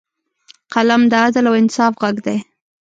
قلم د عدل او انصاف غږ دی